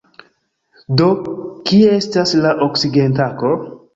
Do, kie estas la oksigentanko?